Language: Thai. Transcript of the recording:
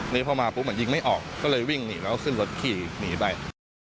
นี่พอมาปุ๊บยิงไม่ออกก็เลยวิ่งหนีแล้วก็ขึ้นรถขี่หนีไป